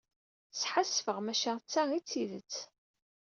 Sḥassfeɣ, maca d ta i tidet.